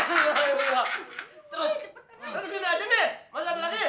terus gini aja nih masuk lagi